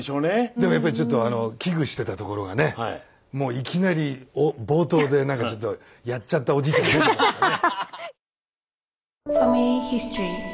でもやっぱりちょっと危惧してたところがねもういきなり冒頭でなんかちょっと「やっちゃったおじいちゃん」出ちゃいましたね。